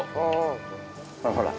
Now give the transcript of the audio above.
ほらほら。